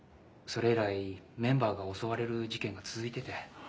それ以来メンバーが襲われる事件が続いてて。